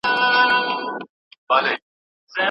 د خاورين بنده د كړو گناهونو